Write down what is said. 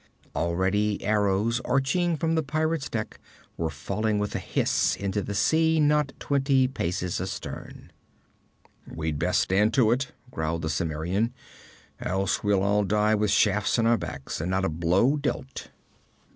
Already arrows, arching from the pirate's deck, were falling with a hiss into the sea, not twenty paces astern. 'We'd best stand to it,' growled the Cimmerian; 'else we'll all die with shafts in our backs, and not a blow dealt.'